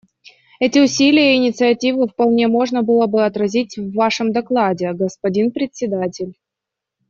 Эти усилия и инициативы вполне можно было бы отразить в Вашем докладе, господин Председатель.